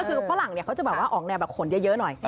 คือฝรั่งเขาจะแบบว่าออกแนวแบบขนเยอะหน่อย